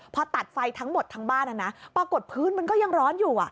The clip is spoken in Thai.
พอตัดไฟทั้งหมดทั้งบ้านปรากฏพื้นมันก็ยังร้อนอยู่